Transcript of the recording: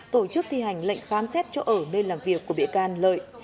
tổ chức thi hành lệnh khám xét chỗ ở nơi làm việc của bị can lợi